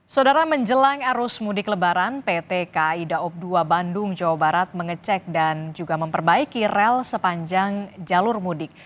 saudara menjelang arus mudik lebaran pt kai daob dua bandung jawa barat mengecek dan juga memperbaiki rel sepanjang jalur mudik